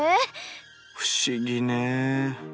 不思議ね。